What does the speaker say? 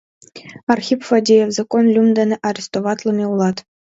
Архип Фадеев, закон лӱм дене арестоватлыме улат!